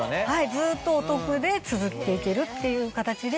ずっとお得で続けていけるっていう形で。